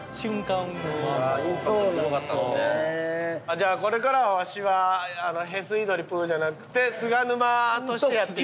じゃあこれからはわしは屁吸い鳥プーじゃなくて菅沼としてやっていく。